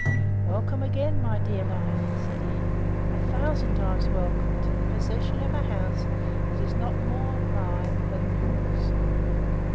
Welcome again, my dearest life! said he, a thousand times welcome to the possession of a house that is not more mine than yours!